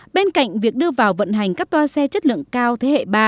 bên cạnh việc đưa vào vận hành các toa xe chất lượng cao thế hệ ba